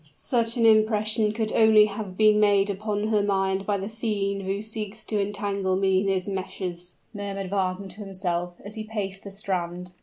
"Such an impression could only have been made upon her mind by the fiend who seeks to entangle me in his meshes!" murmured Wagner to himself, as he paced the strand.